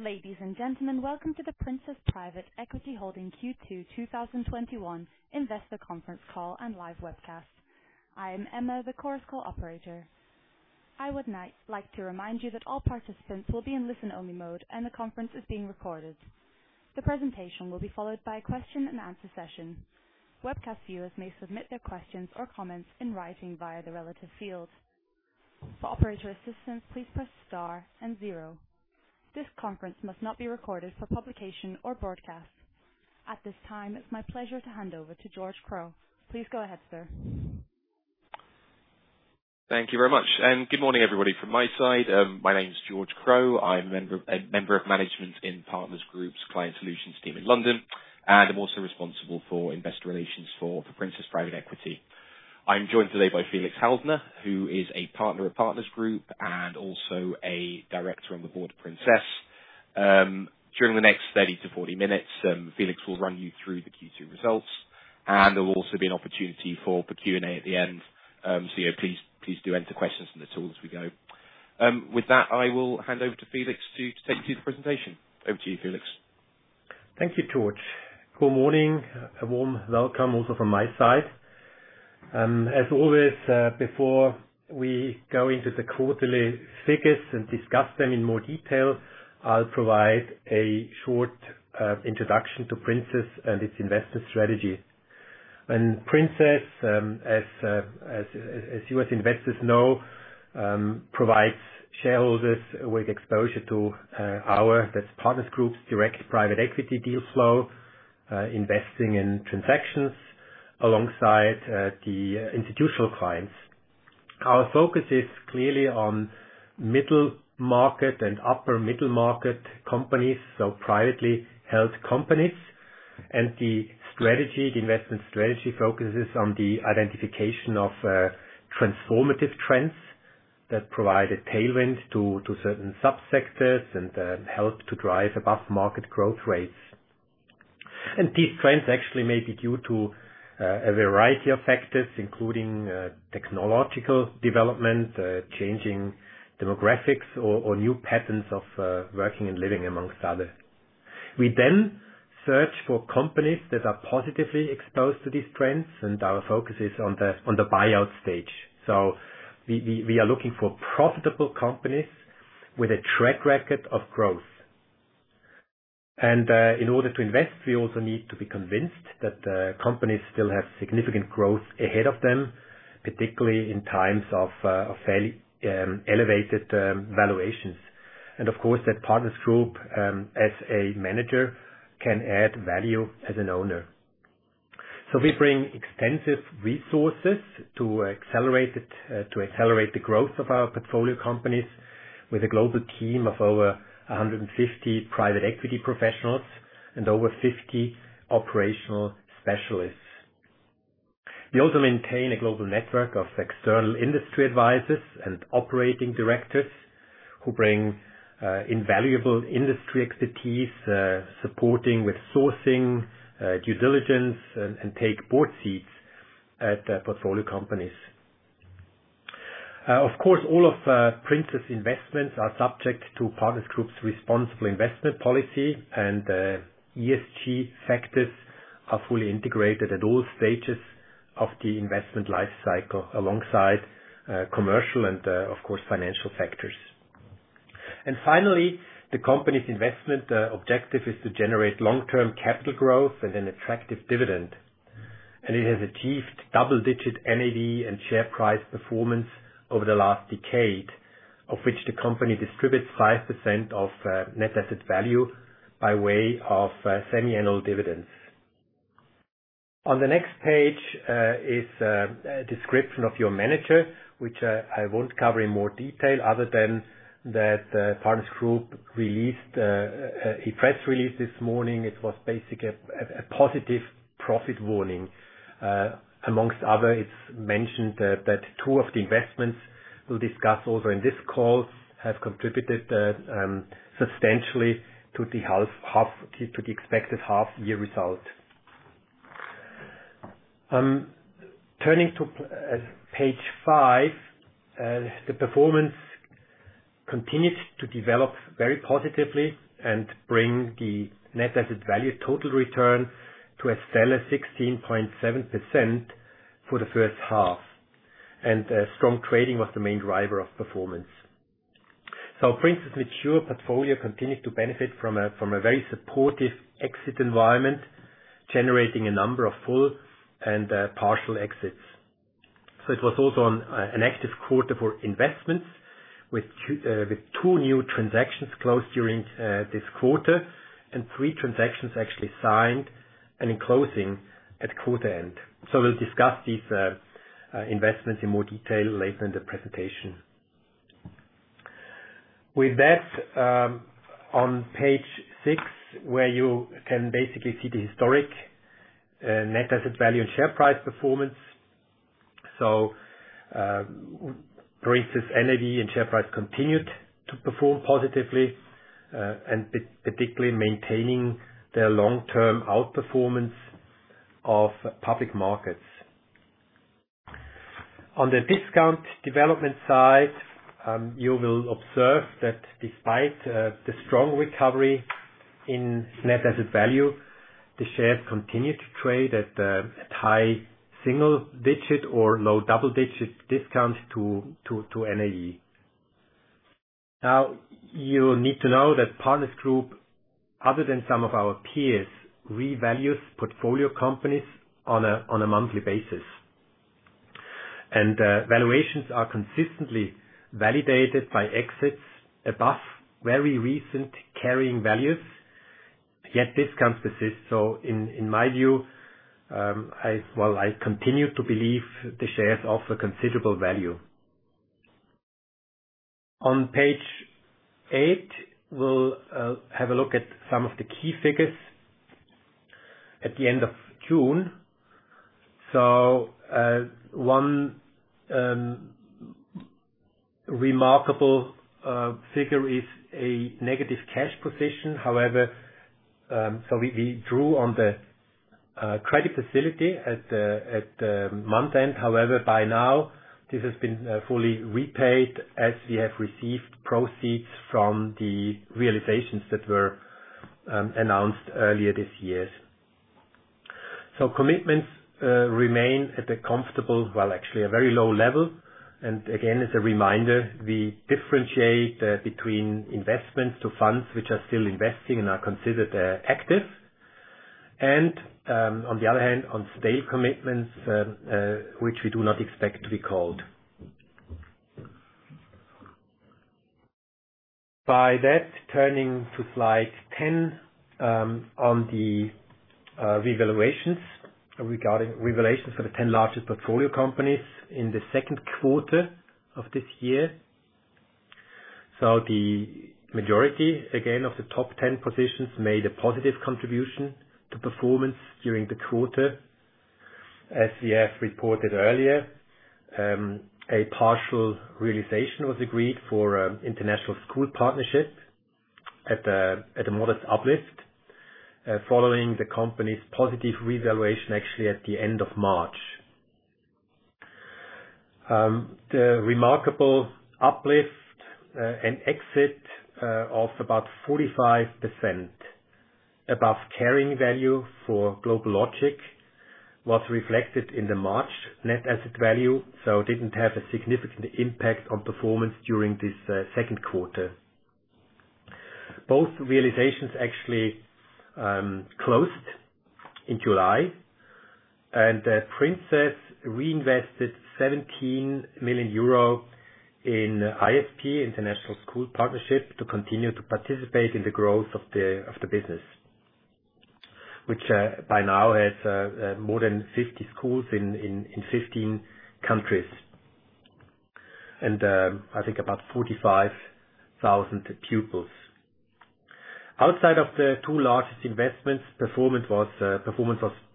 Ladies and gentlemen, welcome to the Princess Private Equity Holding Q2 2021 investor conference call and live webcast. I am Emma, the Chorus Call operator. I would like to remind you that all participants will be in listen-only mode, and the conference is being recorded. The presentation will be followed by a question and answer session. Webcast viewers may submit their questions or comments in writing via the relevant fields. For operator assistance, please press star and zero. This conference must not be recorded for publication or broadcast. At this time, it's my pleasure to hand over to George Crowe. Please go ahead, sir. Thank you very much, and good morning, everybody, from my side. My name is George Crowe. I'm a member of management in Partners Group's Client Solutions team in London, and I'm also responsible for investor relations for Princess Private Equity. I'm joined today by Felix Haldner, who is a partner at Partners Group and also a Director on the board of Princess. During the next 30-40 minutes, Felix will run you through the Q2 results, and there will also be an opportunity for Q&A at the end. Please do enter questions in the tool as we go. With that, I will hand over to Felix to take you through the presentation. Over to you, Felix. Thank you, George. Good morning. A warm welcome also from my side. As always, before we go into the quarterly figures and discuss them in more detail, I'll provide a short introduction to Princess and its investment strategy. Princess, as you as investors know, provides shareholders with exposure to our, that's Partners Group's direct private equity deal flow, investing in transactions alongside the institutional clients. Our focus is clearly on middle market and upper middle market companies, so privately held companies. The investment strategy focuses on the identification of transformative trends that provide a tailwind to certain sub-sectors and help to drive above-market growth rates. These trends actually may be due to a variety of factors, including technological development, changing demographics, or new patterns of working and living, amongst others. We search for companies that are positively exposed to these trends, our focus is on the buyout stage. We are looking for profitable companies with a track record of growth. In order to invest, we also need to be convinced that the companies still have significant growth ahead of them, particularly in times of fairly elevated valuations. Of course, that Partners Group, as a manager, can add value as an owner. We bring extensive resources to accelerate the growth of our portfolio companies with a global team of over 150 private equity professionals and over 50 operational specialists. We also maintain a global network of external industry advisors and operating directors who bring invaluable industry expertise, supporting with sourcing, due diligence, and take board seats at portfolio companies. Of course, all of Princess investments are subject to Partners Group's responsible investment policy, ESG factors are fully integrated at all stages of the investment life cycle alongside commercial and, of course, financial factors. Finally, the company's investment objective is to generate long-term capital growth and an attractive dividend. It has achieved double-digit NAV and share price performance over the last decade, of which the company distributes 5% of net asset value by way of semiannual dividends. On the next page is a description of your manager, which I won't cover in more detail other than that Partners Group released a press release this morning. It was basically a positive profit warning. Amongst others, it's mentioned that two of the investments we'll discuss also in this call have contributed substantially to the expected half-year result. Turning to page five, the performance continued to develop very positively and bring the net asset value total return to a stellar 16.7% for the first half. Strong trading was the main driver of performance. Princess mature portfolio continued to benefit from a very supportive exit environment, generating a number of full and partial exits. It was also an active quarter for investments, with two new transactions closed during this quarter and three transactions actually signed and in closing at quarter end. We'll discuss these investments in more detail later in the presentation. With that, on page six, where you can basically see the historic net asset value and share price performance. Princess NAV and share price continued to perform positively, and particularly maintaining their long-term outperformance of public markets. On the discount development side, you will observe that despite the strong recovery in net asset value, the shares continue to trade at a high single-digit or low double-digit discount to NAV. You need to know that Partners Group, other than some of our peers, revalues portfolio companies on a monthly basis. Valuations are consistently validated by exits above very recent carrying values, yet discounts persist. In my view, well, I continue to believe the shares offer considerable value. On page eight, we'll have a look at some of the key figures at the end of June. One remarkable figure is a negative cash position. We drew on the credit facility at the month end. However, by now, this has been fully repaid as we have received proceeds from the realizations that were announced earlier this year. Commitments remain at a comfortable, well, actually, a very low level. Again, as a reminder, we differentiate between investments to funds which are still investing and are considered active. On the other hand, on stale commitments, which we do not expect to be called. By that, turning to slide 10 on the revaluations regarding revaluations for the 10 largest portfolio companies in the second quarter of this year. The majority, again, of the top 10 positions made a positive contribution to performance during the quarter. As we have reported earlier, a partial realization was agreed for International Schools Partnership at a modest uplift. Following the company's positive revaluation actually at the end of March. The remarkable uplift and exit of about 45% above carrying value for GlobalLogic was reflected in the March net asset value, so it didn't have a significant impact on performance during this second quarter. Both realizations actually closed in July. Princess reinvested 17 million euro in ISP, International Schools Partnership, to continue to participate in the growth of the business. Which by now has more than 50 schools in 15 countries. I think about 45,000 pupils. Outside of the two largest investments, performance was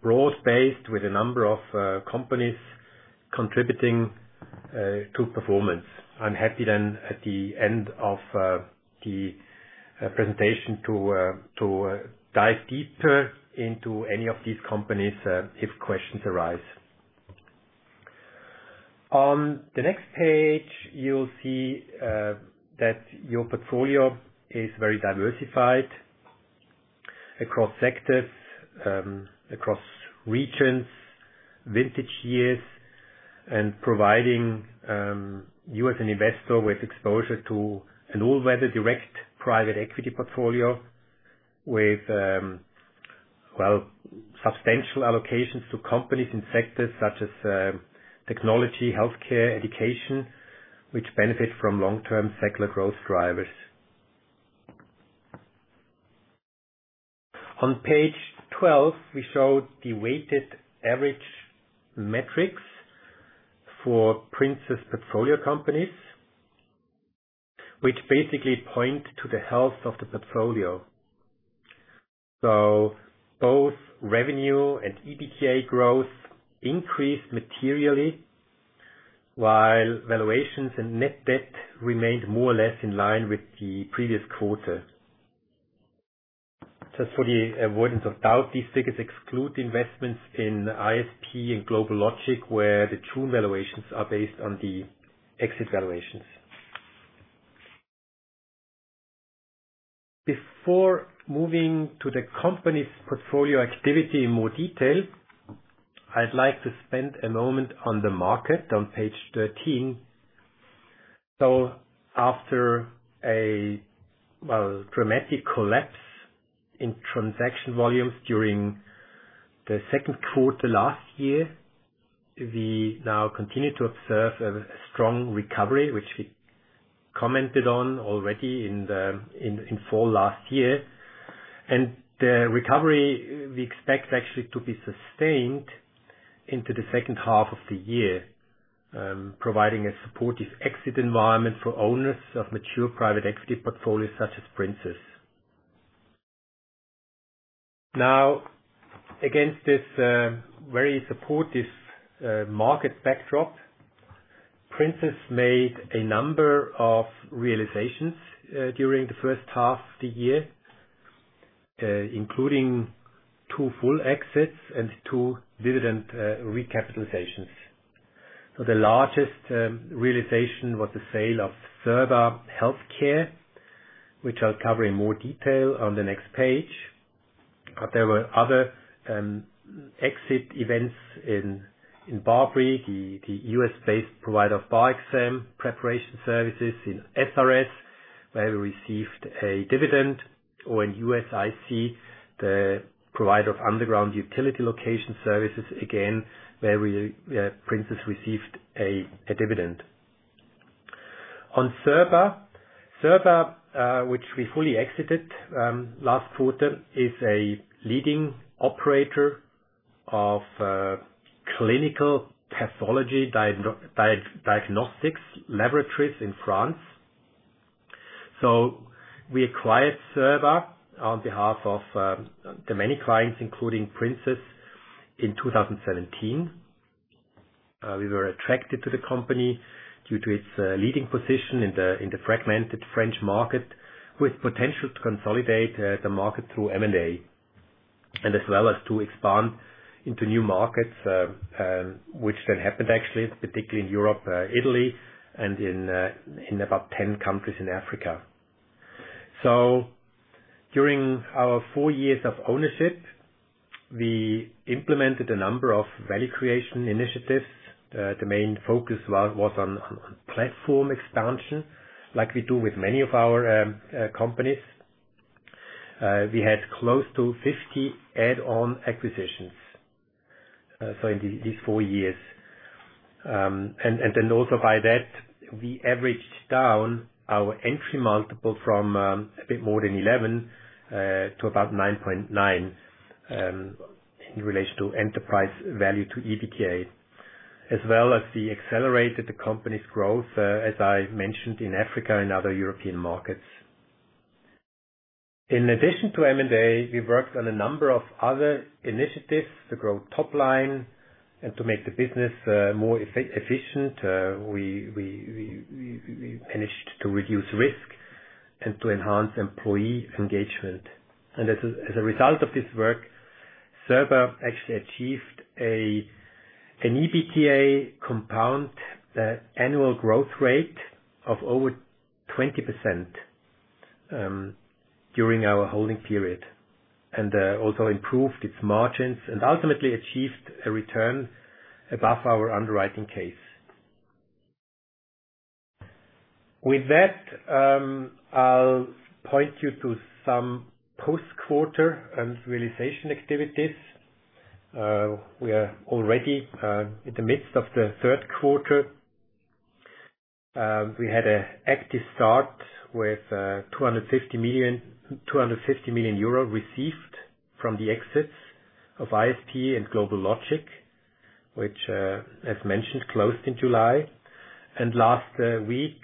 broad-based with a number of companies contributing to performance. I'm happy then at the end of the presentation to dive deeper into any of these companies if questions arise. On the next page, you'll see that your portfolio is very diversified across sectors, across regions, vintage years, and providing you as an investor with exposure to an all-weather direct private equity portfolio with substantial allocations to companies in sectors such as technology, healthcare, education, which benefit from long-term secular growth drivers. On page 12, we show the weighted average metrics for Princess's portfolio companies, which basically point to the health of the portfolio. Both revenue and EBITDA growth increased materially, while valuations and net debt remained more or less in line with the previous quarter. Just for the avoidance of doubt, these figures exclude investments in ISP and GlobalLogic, where the true valuations are based on the exit valuations. Before moving to the company's portfolio activity in more detail, I'd like to spend a moment on the market on page 13. After a dramatic collapse in transaction volumes during the second quarter last year, we now continue to observe a strong recovery, which we commented on already in fall last year. The recovery we expect actually to be sustained into the second half of the year, providing a supportive exit environment for owners of mature private equity portfolios such as Princess. Against this very supportive market backdrop, Princess made a number of realizations during the first half of the year, including two full exits and two dividend recapitalizations. The largest realization was the sale of Cerba HealthCare, which I'll cover in more detail on the next page. There were other exit events in BARBRI, the U.S.-based provider of bar exam preparation services in SRS, where we received a dividend, or in USIC, the provider of underground utility location services, again, where Princess received a dividend. On Cerba. Cerba, which we fully exited last quarter, is a leading operator of clinical pathology diagnostics laboratories in France. We acquired Cerba on behalf of the many clients, including Princess, in 2017. We were attracted to the company due to its leading position in the fragmented French market, with potential to consolidate the market through M&A, and as well as to expand into new markets, which then happened actually, particularly in Europe, Italy, and in about 10 countries in Africa. During our four years of ownership, we implemented a number of value creation initiatives. The main focus was on platform expansion, like we do with many of our companies. We had close to 50 add-on acquisitions in these four years. Also by that, we averaged down our entry multiple from a bit more than 11 to about 9.9 in relation to enterprise value to EBITDA, as well as we accelerated the company's growth, as I mentioned, in Africa and other European markets. In addition to M&A, we've worked on a number of other initiatives to grow top line and to make the business more efficient. We managed to reduce risk and to enhance employee engagement. As a result of this work, Cerba actually achieved an EBITDA compound annual growth rate of over 20% during our holding period, and also improved its margins and ultimately achieved a return above our underwriting case. With that, I'll point you to some post-quarter realization activities. We are already in the midst of the third quarter. We had an active start with €250 million received from the exits of ISP and GlobalLogic, which, as mentioned, closed in July. Last week,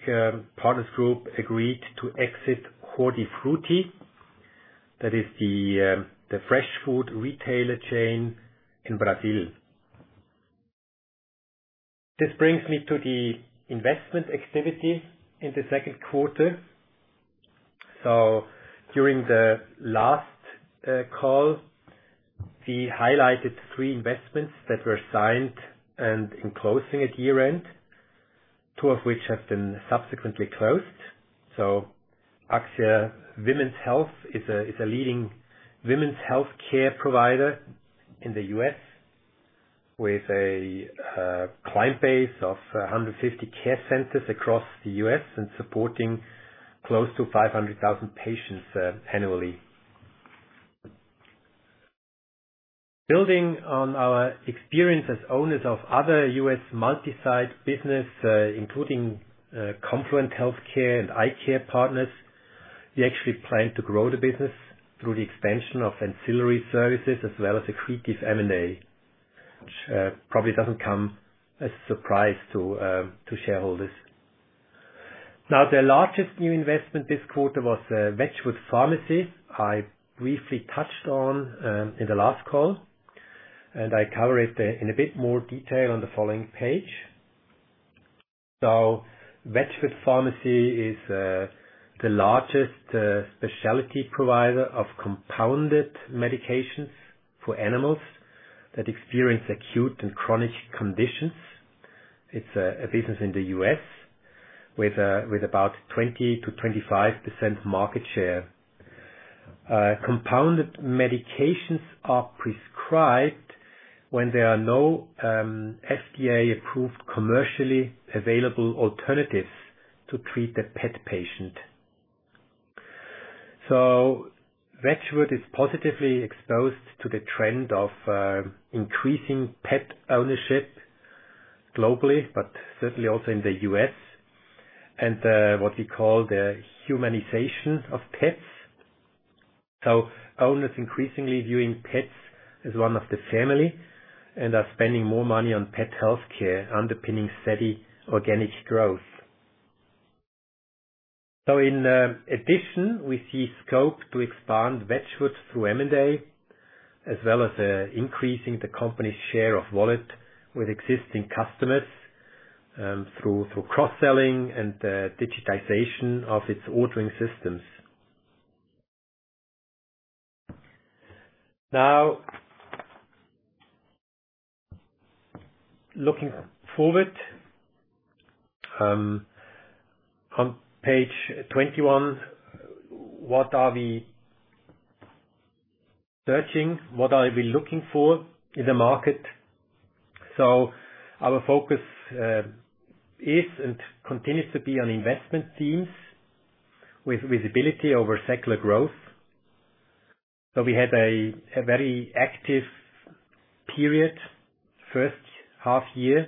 Partners Group agreed to exit Hortifruti, that is the fresh food retailer chain in Brazil. This brings me to the investment activity in the second quarter. During the last call, we highlighted three investments that were signed and in closing at year-end, two of which have been subsequently closed. Axia Women's Health is a leading women's healthcare provider in the U.S. with a client base of 150 care centers across the U.S. and supporting close to 500,000 patients annually. Building on our experience as owners of other U.S. multi-site business, including Confluent Health and EyeCare Partners, we actually plan to grow the business through the expansion of ancillary services as well as accretive M&A, which probably doesn't come as a surprise to shareholders. The largest new investment this quarter was Wedgewood Pharmacy. I briefly touched on in the last call, and I cover it in a bit more detail on the following page. Wedgewood Pharmacy is the largest specialty provider of compounded medications for animals that experience acute and chronic conditions. It's a business in the U.S. with about 20%-25% market share. Compounded medications are prescribed when there are no FDA-approved, commercially available alternatives to treat the pet patient. Wedgewood is positively exposed to the trend of increasing pet ownership globally, but certainly also in the U.S. and what we call the humanization of pets. Owners increasingly viewing pets as one of the family and are spending more money on pet healthcare, underpinning steady organic growth. In addition, we see scope to expand Wedgewood through M&A as well as increasing the company's share of wallet with existing customers through cross-selling and digitization of its ordering systems. Now, looking forward on page 21, what are we searching? What are we looking for in the market? Our focus is and continues to be on investment themes with visibility over secular growth. We had a very active period, first half-year,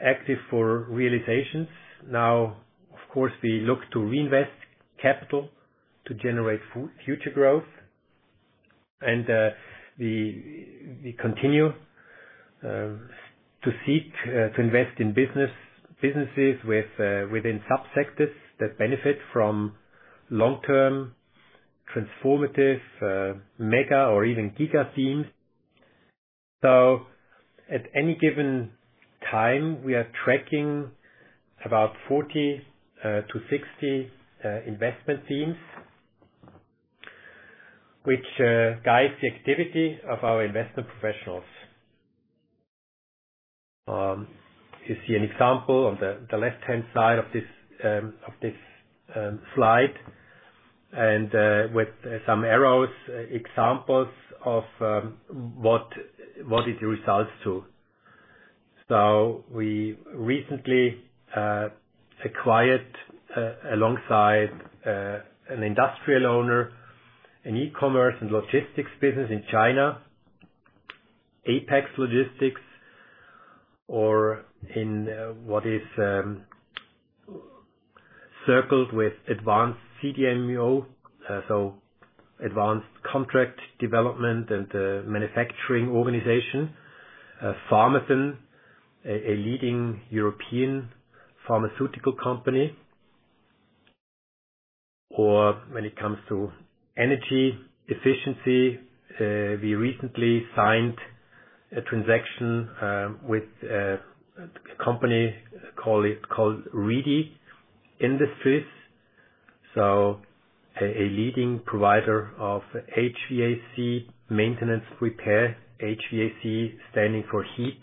active for realizations. Now, of course, we look to reinvest capital to generate future growth. We continue to seek to invest in businesses within sub-sectors that benefit from long-term transformative mega or even giga themes. At any given time, we are tracking about 40-60 investment themes, which guides the activity of our investment professionals. You see an example on the left-hand side of this slide and with some arrows, examples of what it results to. We recently acquired alongside an industrial owner, an e-commerce and logistics business in China, Apex Logistics, or in what is circled with advanced CDMO, so advanced contract development and manufacturing organization. Pharmathen, a leading European pharmaceutical company. When it comes to energy efficiency, we recently signed a transaction with a company called Reedy Industries. A leading provider of HVAC maintenance repair. HVAC standing for heat,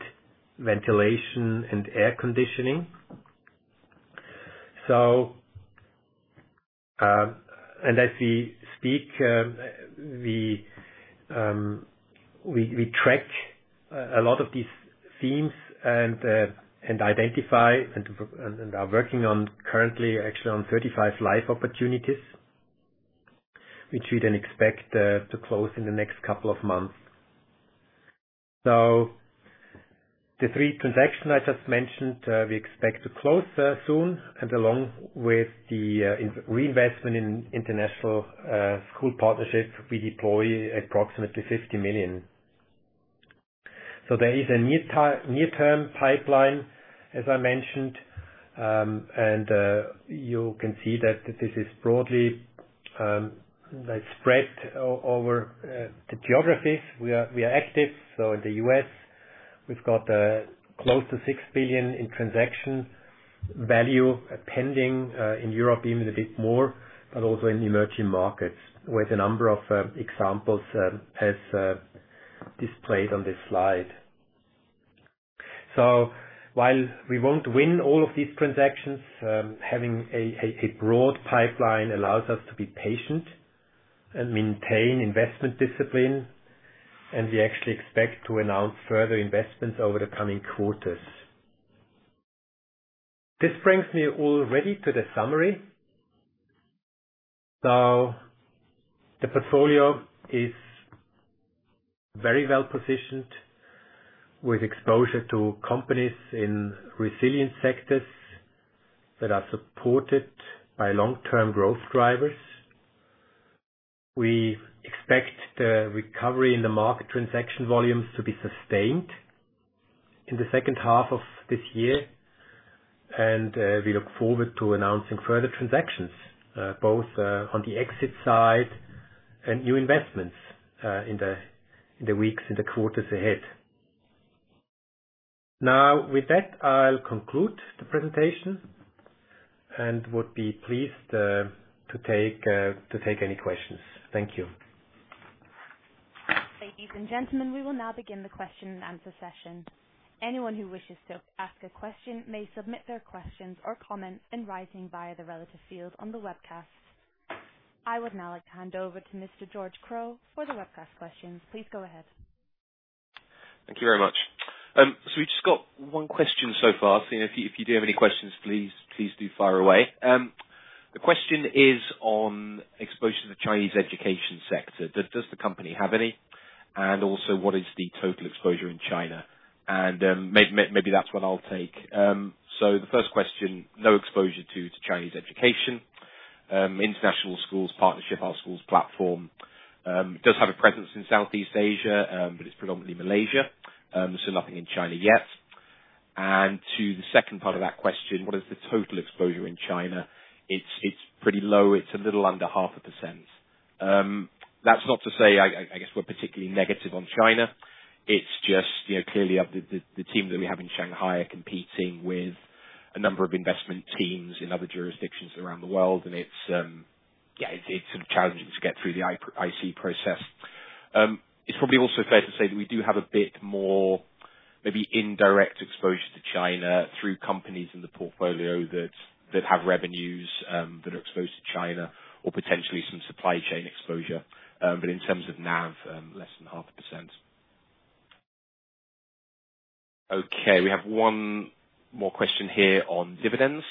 ventilation, and air conditioning. As we speak, we track a lot of these themes and identify and are working on currently actually on 35 live opportunities, which we expect to close in the next couple of months. The three transactions I just mentioned, we expect to close soon. Along with the reinvestment in International Schools Partnership, we deploy approximately 50 million. There is a near-term pipeline, as I mentioned. You can see that this is broadly spread over the geographies. We are active, in the U.S., we've got close to 6 billion in transaction value pending. In Europe, even a bit more, also in emerging markets, with a number of examples as displayed on this slide. While we won't win all of these transactions, having a broad pipeline allows us to be patient and maintain investment discipline, and we actually expect to announce further investments over the coming quarters. This brings me already to the summary. The portfolio is very well-positioned with exposure to companies in resilient sectors that are supported by long-term growth drivers. We expect the recovery in the market transaction volumes to be sustained in the second half of this year. We look forward to announcing further transactions, both on the exit side and new investments in the weeks and the quarters ahead. With that, I'll conclude the presentation and would be pleased to take any questions. Thank you. Ladies and gentlemen, we will now begin the question and answer session. Anyone who wishes to ask a question may submit their questions or comments in writing via the relative field on the webcast. I would now like to hand over to Mr. George Crowe for the webcast questions. Please go ahead. Thank you very much. We've just got one question so far. If you do have any questions, please do fire away. The question is on exposure to the Chinese education sector. Does the company have any? Also what is the total exposure in China? Maybe that's one I'll take. The first question, no exposure to Chinese education. International Schools Partnership, our schools platform, does have a presence in Southeast Asia, but it's predominantly Malaysia. Nothing in China yet. To the second part of that question, what is the total exposure in China? It's pretty low. It's a little under 0.5%. That's not to say, I guess, we're particularly negative on China. It's just clearly the team that we have in Shanghai are competing with a number of investment teams in other jurisdictions around the world, and it's challenging to get through the IC process. It's probably also fair to say that we do have a bit more maybe indirect exposure to China through companies in the portfolio that have revenues, that are exposed to China, or potentially some supply chain exposure. In terms of NAV, less than half a percent. Okay, we have one more question here on dividends.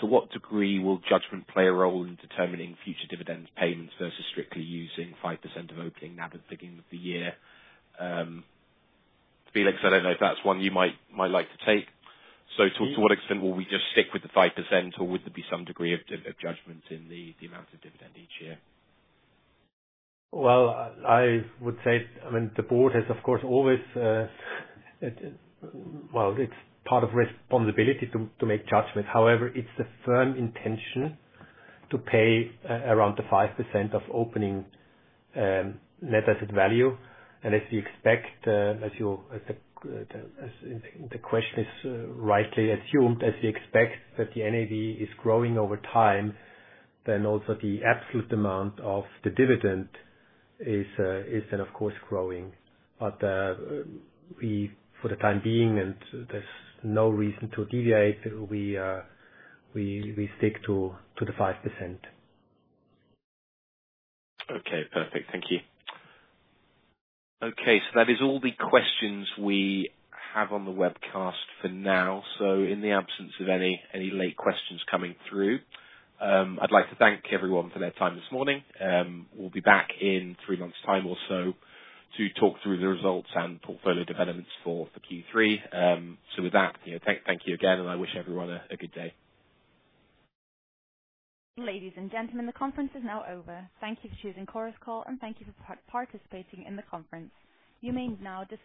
To what degree will judgment play a role in determining future dividend payments versus strictly using 5% of opening NAV at the beginning of the year? Felix, I don't know if that's one you might like to take. To what extent will we just stick with the 5%, or would there be some degree of judgment in the amount of dividend each year? Well, I would say, the board has, of course, always Well, it's part of responsibility to make judgment. However, it's the firm intention to pay around the 5% of opening Net Asset Value. As you expect, the question is rightly assumed, as we expect that the NAV is growing over time, then also the absolute amount of the dividend is then, of course, growing. For the time being, and there's no reason to deviate, we stick to the 5%. Okay, perfect. Thank you. That is all the questions we have on the webcast for now. In the absence of any late questions coming through, I'd like to thank everyone for their time this morning. We'll be back in three months' time or so to talk through the results and portfolio developments for Q3. With that, thank you again, and I wish everyone a good day. Ladies and gentlemen, the conference is now over. Thank you for choosing Chorus Call, and thank you for participating in the conference. You may now disconnect.